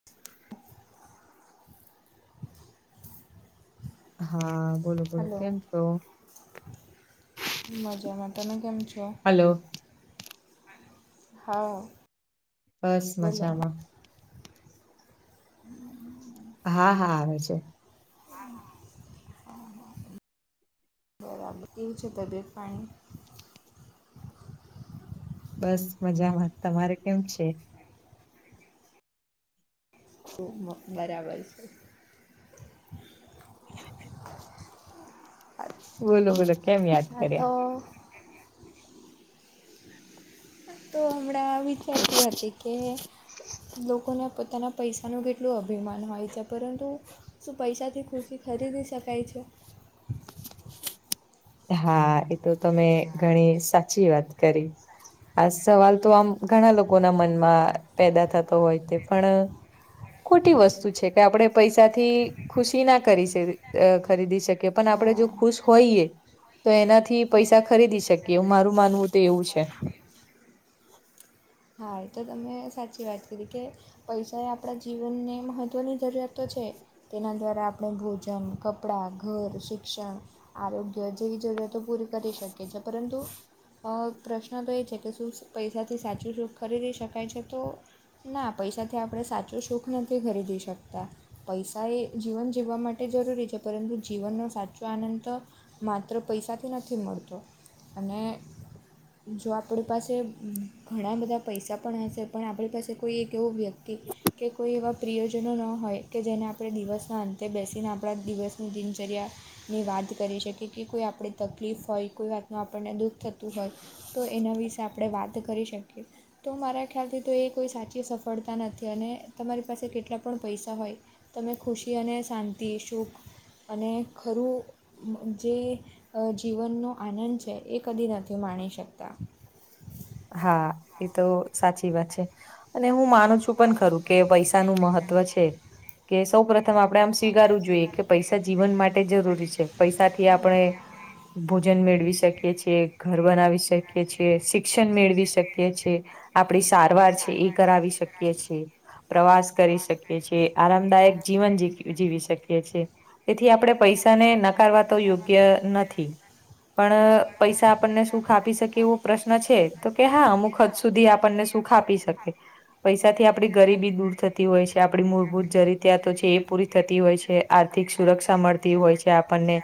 [inaudible] હા. બોલો બોલો હલો કેમ છો મજામાં તમે કેમ છો હલો. હા. બસ બોલો મજામાં. હા હા આવે છે. હ હ. કેવી છે તબિયત પાણી? બસ મજામાં તમારે કેમ છે? તો બરાબર છે. [inaudible] હા બોલો બોલો કેમ યાદ હા, કર્યા? તો તો હમણા વિચારતી હતી કે લોકોને પોતાના પૈસાનું કેટલું અભિમાન હોય છે પરંતુ શું પૈસાથી ખુશી ખરીદી શકાય છે? હા એ તો તમે ઘણી સાચી વાત કરી. આ સવાલ તો આમ ઘણા લોકોના મનમાં પેદા થતો હોય તે પણ ખોટી વસ્તુ છે કે આપણે પૈસાથી ખુશી ના કરીશ ખરીદી શકીએ પણ આપણે જો હા ખુશ હોઈએ. તો એનાથી પૈસા ખરીદી શકીએ મારું માનવું તો એવું છે. હા એ તો તમે સાચી વાત કરી કે પૈસા એ આપણા જીવનને મહત્વની જરૂરિયાત તો છે. તેના દ્વારા આપણે ભોજન, કપડાં, ઘર, શિક્ષણ આરોગ્ય જેવી જરૂરિયાતો પૂરી કરી શકે છે પરંતુ અ પ્રશ્ન તો એ છે કે શું પૈસાથી સાચું સુખ ખરીદી શકાય છે તો ના પૈસાથી આપણે સાચું સુખ નથી ખરીદી શકતા. પૈસા એ જીવન જીવવા માટે જરૂરી છે પરંતુ જીવનનો સાચો આનંદ તો માત્ર પૈસાથી નથી મળતો અને જો આપણી પાસે ઘણા બધા પૈસા પણ હશે પણ આપણી પાસે કોઈ એક એવો વ્યક્તિ કે કોઈ એવા પ્રિયોજનો ન હોય કે જેને આપણે દિવસના અંતે આપણા દિવસની દિનચર્યા ની વાત કરી શકીએ કે કોઈ આપણે તકલીફ હોય કોઈ વાતનું આપણને દુઃખ થતું હોય તો એના વિશે આપણે વાત કરી શકીએ. તો મારા ખ્યાલથી તો એ કોઈ સાચી સફળતા નથી અને તમારી પાસે કેટલા પણ પૈસા હોય. તમે ખુશી અને શાંતિ સુખ અને ખરું. મ જે જીવનનો આનંદ છે એ કદી નથી માણી શકતા હા એ તો સાચી વાત છે અને હું માનું છું પણ ખરું કે પૈસા નું મહત્વ છે કે સૌ પ્રથમ આપડે આમ સ્વીકારારવું જોઈએ કે પૈસા જીવન માટે જરૂરી છે પૈસાથી આપણે ભોજન મેળવી શકીએ છીએ ઘર બનાવી શકીએ છીએ શી શિક્ષણ મેળવી શકીએ છીએ આપણી સારવાર છે એ કરાવી શકીએ છીએ. પ્રવાસ કરી શકીએ છીએ આરામદાયક જીવન જી જીવી શકીએ છી તેથી આપણેે પૈસાને નકારવા તો યોગ્ય નથી. પણ અ પૈસા આપણને સુખ આપી શકે એવું પ્રશ્ન ન છે તો કે હા અમુક હદ સુધી આપણને સુખ આપી શકે. પૈસાથી આપડી ગરીબી દૂર થત તી હોય છે આપણી મૂળભૂત જરિતયાતો છે એ પૂરી થતી હોય છે આર્થિક સુરક્ષા મળતી હોય છે આપણને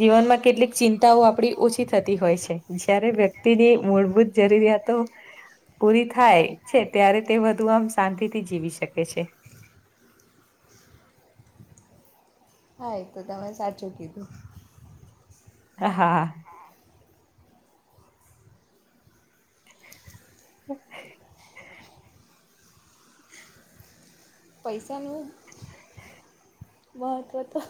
જીવનમાં કેટલીક ચિંતાઓ આપડી ઓછી થતી હોય છે જયારે વ્યક્તિની મૂળ ભૂત જરૂરિયાતો પૂરી થાય છે ત્યારે તે બધુ આમ શાંતિ થી જીવી શકે છે. હા એ તો તમે સાચું કીધું. હ હા. હા. [inaudible] [inaudible] પૈસાનું મહત્વ તો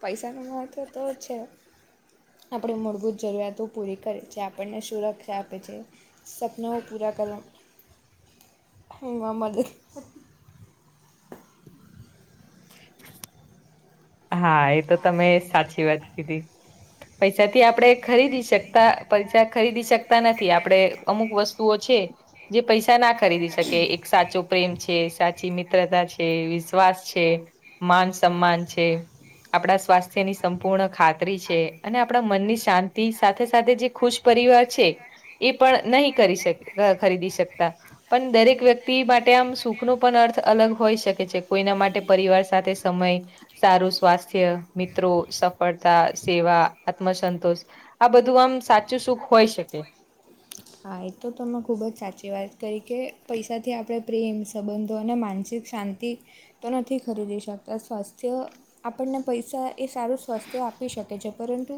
પૈસા નુ મહત્વ તો છે. આપણી મૂળભૂત જરૂરિયાતો પૂરી કરે છે આપણને સુરક્ષા આપે છે. સપનાઓ પૂરા કરવા ઊંઘવા મળે. હા એ તો તમે સાચી વાત કીધી. પૈસાથી આપણે ખરીદી શકતા પૈસા ખરીદી શકતા નથી આપણેે અમુક વસ્તુઓ છે. જે પૈસા ના ખરીદી શકે એક સાચો પ્રેમ છે સાચી મિત્રતા છે વિશ્વાસ છે. માન સમ્માન છે. આપણા સ્વાસ્થ્યની સંપૂર્ણ ખાતરી છે અને આપણા મનની શાંતિ સાથે સાથે જે ખુશ પરિવાર છે એ પણ નહી કરી શકે અ ખરીદી શકતા પણ દરેક વ્યક્તિ માટે આમ સુખ નો પણ અર્થ અલગ હોઈ શકે છે કોઈના માટે પરિવાર સાથે સુ સમય સારું સ્વાસ્થ્ય મિત્રો સફળતા સેવા આત્મસંતોષ આ બધું આમ સાચું સુખ હોય શકે. હા એ તો તમે ખૂબ જ સાચી વાત કહી કે પૈસાથી આપણે પ્રેમ સંબંધો અને માનસિક શાંતિ તો નથી ખરીદી શકતા સ્વાસ્થ્ય આપણને પૈસા એ સારું સ્વાસ્થ્ય આપી શકે છે પરંતુ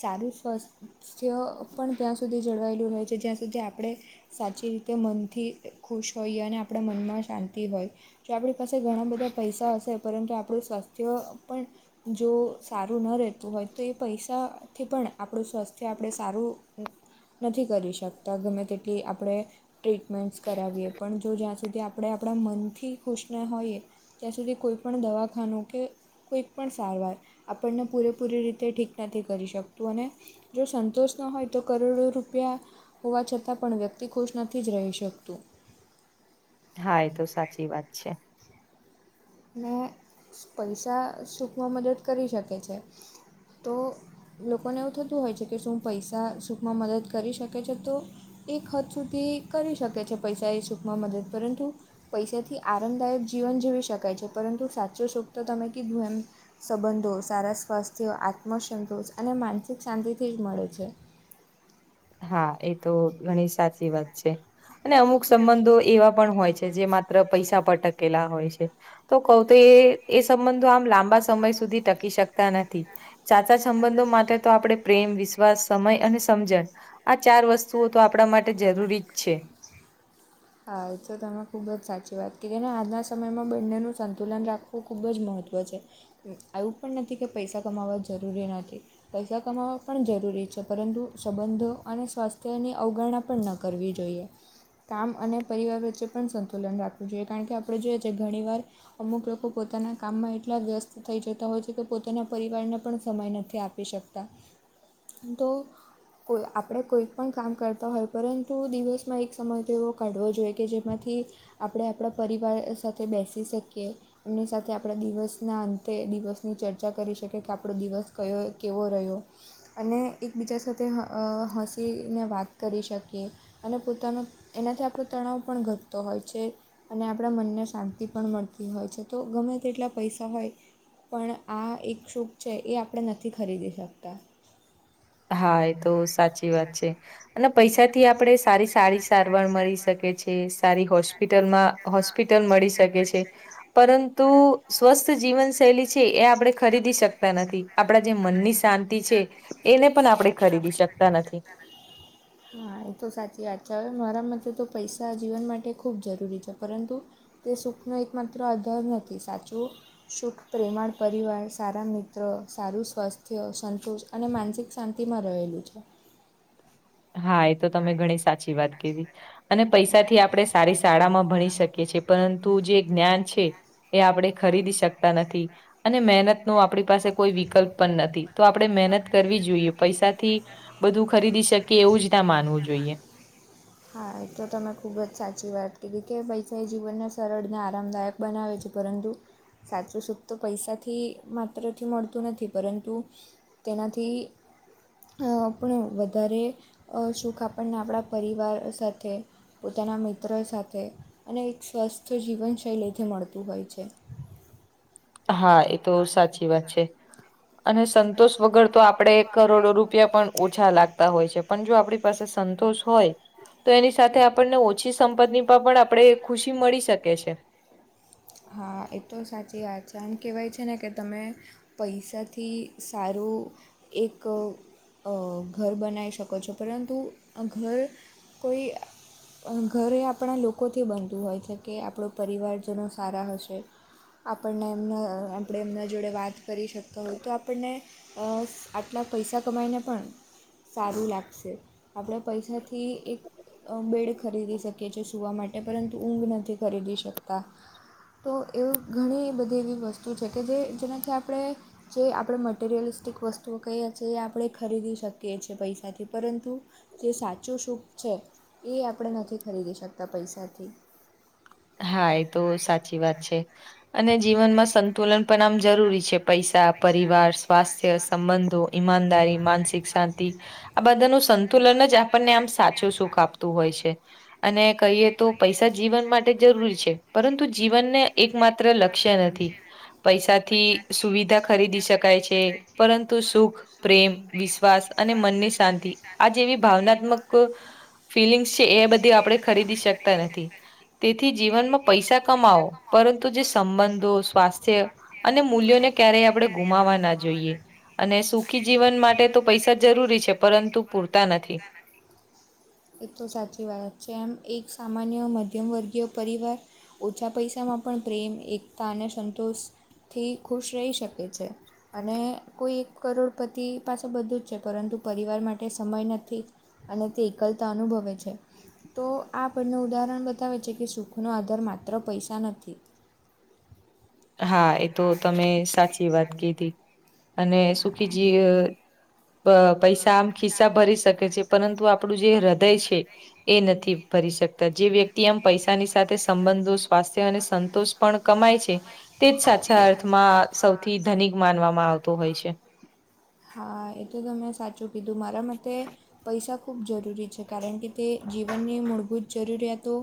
સારું સ્વાસ્થ્ય પણ ત્યાં સુધી જળવાયેલું રહે છે જ્યાં સુધી આપણે સાચી રીતે મનથી ખુશ હોઈએ અને આપણા મનમાં શાંતિ હોય. જો આપણી પાસે ઘણા બધા પૈસા હશે પરંતુ આપણું સ્વાસ્થ્ય પણ જો સારું ન રહેતું હોય તો એ પૈસા થી પણ આપણું સ્વાસ્થ્ય આપડે સારું નથી કરી શકતા ગમે તેટલી આપડે ટ્રીટમેન્ટ્સ કરાવીએ પણ જો જ્યાં સુધી આપણે આપણા મનથી ખુશ ના હોઈએ. ત્યાં સુધી કોઈ પણ દવાખાનું કે કોઈ પણ સારવાર આપણને પૂરેપૂરી રીતે ઠીક નથી કરી શકતું અને જો સંતોષ ન હોય તો કરોડો રૂપિયા હોવા છતાં પણ વ્યક્તિ ખુશ નથી જ રહી શકતુ હા એ તો સાચી વાત છે. ને પૈસા સુખમાં મદદ કરી શકે છે તો લોકોને એવું થતું હોય છે કે શું પૈસા સુખમાં મદદ કરી શકે છે તો એક હદ સુધી કરી શકે છે પૈસા એ સુખમાં મદદ પરંતુ પૈસાથી આરામદાયક જીવન જીવી શકાય છે પરંતુ સાચો સુખ તો તમે કીધું એમ સંબંધો સારા સ્વાસ્થ્ય આત્મસંતોષ અને માનસિક શાંતિથી જ મળે છે. હા એ તો ઘણી સાચી વાત છે અને અમુક સંબંધો એવા પણ હોય છે જે માત્ર પૈસા પર ટકેલા હોય છે. તો કહુ તો એ એ સંબંધો આમ લાંબા સમય સુધી ટકી શકતા નથી. સાચા સંબંધો માટે તો આપણે પ્રેમ વિશ્વાસ સમય અને સમજણ. આ ચાર વસ્તુઓ તો આપણા માટે જરૂરી જ છે. હા, એ તો તમે ખુબ જ સાચી વાત કીધી ને આજના સમયમાં બંનેનું સંંત સંતુલન રાખવું ખૂબ જ મહત્ત્વ છે આવું પણ નથી કે પૈસા કમાવવા જરૂરી નથી. પૈસા કમાવવા પણ જરૂરી છે પરંતુ સંબંધો અને સ્વાસ્થ્યની અવગણના પણ ન કરવી જોઈએ. કામ અને પરિવાર વચ્ચે પણ સંતુલન રાખવું જોઈએ કારણ કે આપણે જોઈએ છીએ ઘણીવાર અમુક લોકો પોતાના કામમાં એટલા વ્યસ્ત થઈ જતા હોય છે કે પોતાના પરિવારને પણ સમય નથી આપી શક તા એમ તો કો આપણે કોઈક પણ કામ કરતા હોય પરંતુ દિવસમાં એક સમય તો એવો કાઢવો જોઈએ કે જેમાંથી આપણે આપણા પરિવાર સાથે બેસી શકીએ. એમની સાથે આપણા દિવસના અંતે દિવસની ચર્ચા કરી શકે કે આપણો દિવસ કયો કેવો રહ્યો. અને એકબીજા સાથે હસીને વાત કરી શકીએ. અને પોતાનો એનાથી આપણો તણાવ પણ ઘટતો હોય છે. અને આપણા મનને શાંતિ પણ મળતી હોય છે તો ગમે તેટલા પૈસા હોય પણ આ એક સુક છે એ આપણે નથી ખરીદી શકતા. હા, એ તો સાચી વાત છે. અને હમ. પૈસા થી આપડણે સારી સારી સારવાર મળી શકે છે. સારી હોસ્પિટલમાં હોસ્પિટલ મળી શકે છે. પરંતુ સ્વસ્થ જીવનશૈલી છે એ આપણે ખરીદી શકતા નથી. આપણા જે મનની શાંતિ છે એને પણ આપણે ખરીદી શકતા નથી. હા, એ તો સાચી વાત છે હવે મારા મતે તો પૈસા જીવન માટે ખૂબ જરૂરી છે પરંતુ તે સુખનો એક માત્ર આધર નથી સાચું શુખ, પ્રેમાળ, પરિવાર સારા મિત્ર સારું સ્વાસ્થ્ય સંતોષ અને માનસિક શાંતિમાં રહેલું છે. હા, એ તો તમે ઘણી સાચી વાત કીધી. અને પૈસા થી આપણે સારી શાળા માં ભણી શકીએ છીએ પ પરંતુ જે જ્ઞાન છે એ આપણે ખરીદી શકતા નથી. અને મહેનત નું આપણી પાસે કોઈ વિકલ્પ પણ નથી તો આપ આપણે મહેનત કરવી જોઈએ પૈસાથી બધું ખરીદી શકીએ એવું જ ના માનવું જોઈએ. [inaudible] હા, એ તો તમે ખૂબ જ સાચી વાત કીધી કે વૈસાાય જીવનને સરળ ને આરામદાયક બનાવે છે પરંતુ સાચું સુખ તો પૈસાથી માત્ર થી મળતું નથી પરંતુ તેનાથી પણ વધારે સુખ આપણને આપણા પરિવાર સાથે પોતાના મિત્ર સાથે અને એક સ્વસ્થ જીવનશૈલીથી મળતું હોય છે. હા, એ તો સાચી વાત છે અને સંતોષ વગર તો આપડે એક કરોડો રૂપિયા પણ ઓછા લાગતા હોય છે પણ જો આપણી પાસે સંતોષ હોય તો એની સાથે આપણને ઓછી સંપત્તિમાં પણ આપડે ખુશી મળી શકે છે. હા, એ તો સાચી વાત છે આમ કહેવાય છે ને કે તમે. પૈસાથી સારું એક તો ઘર બનાવી શકો છો પરંતુ ઘર કોઈ ઘર એ આપણા લોકોથી બનતું હોય એટલે કે આપણો પરિવારજનો તારા હશે આપણને એમને અ આપડે એમના જોડે વાત કરી શકતા હોય તો આપણને અ આટલા પૈસા કમાયને પણ સારું લાગશે આપડે પૈસાથી એક બેડ ખરીદી શકીએ છે સુવા માટે પરંતુ ઊંઘ નથી ખરીદી શકતા તો એવું ઘણી બધી એવી વસ્તુ છે કે જે જેનાથી આપડે જે આપડે મટરિયલિસ્ટિક વસ્તુઓ કહીએ છીએ આપડે ખરીદી શકીએ છીએ પૈસાથી પરંતુ જે સાચું શૂખ છે એ આપડે નથી ખરીદી શકતા પૈસાથી હા એ તો સાચી વાત છે. અને જીવનમાં સંતુલન પણ આમ જરૂરી છે પૈસા પરિવાર સ્વાસ્થ્ય સંબંધો ઈમાનદારી માનસિક શાંતિ આ બધાનું સંતુલન જ આપણને આમ સાચું સુખ આપતું હોય છે. અને કહીએ તો પૈસા જીવન મા ટે જરૂરી છે પરંતુ જીવનને એક માત્ર લક્ષ્ય નથી પૈસાથી સુવિધા ખરીદી શકાય છે પરંતુ સુખ પ્રેમ વિશ્વાસ અને મનની શાંતિ આ જેવી ભાવનાત્મક ફિલિંગ્સ છે એ બધી આપડે ખરીદી શકતા નથી. તેથી જીવનમાં પૈસા કમાવો પરંતુ જે સંબંધો સ્વાસ્થ્ય અને મૂલ્યોને ક્યારેય આપડે ગુમાવા ના જોઈએ. અને સુખી જીવન માટે તો પૈસા જરૂરી છે પરંતુ પૂરતા નથી. એ તો સાચી વાત છે એમ એક સામાન્ય મધ્યમવર્ગીય પરિવાર ઓછા પૈસામાં પણ પ્રેમ એકતા અને સંતોષથી ખુશ રહી શકે છે. અને કોઈ એક કરોડપતિ પાસે બધું જ છે પરંતુ પરિવાર માટે સમય નથી. અને તે એકલતા અનુભવે છે તો આ આપણને ઉદાહરણ બતાવે છે કે સુખનો આધાર માત્ર પૈસા નથી. હા એ તો તમે સાચી વાત કીધી અને સુખી જી પૈસા આમ ખિસ્સા ભરી શકે છે પરંતુ આપડુ જે હૃદય છે એ નથી ભરી શક તા જે વ્યક્તિ એમ પૈસાની સાથે સંબંધો સ્વાસ્થ્ય અને સંતોષ પણ કમાય છે તે જ સાચા અર્થમાં સૌથી ધનિક માનવામાં આવતો હોય છે. હા એ તો તમેં સાચું કીધું મારા મતે પૈસા ખૂબ જરૂરી છે કારણ કે તે જીવનની મૂળભૂત જરૂરિયાતો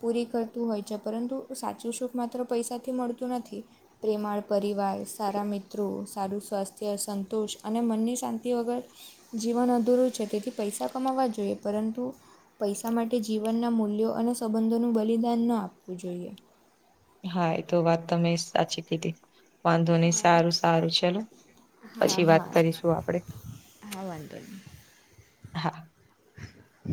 પૂરી કરતું હોય છે પરંતુ સાચું સુખ માત્ર પૈસાથી મળતું નથી. પ્રેમાળ પરિવાર સારા મિત્રો સારું સ્વાસ્થ્ય સંતોષ અને મનની શાંતિ વગર જીવન અધૂરું છે તેથી પૈસા કમાવા જોઈએ પરંતુ પૈસા માટે જીવનના મૂલ્યો સંબંધોનું બલિદાન ન આપવું જોઈએ. હા એ તો વાત તમે સાચી કીધી. વાંધો નઈ સારું સારું ચલો હા પછી વાત હા કરીશું આપડે હા વાંધો ની હા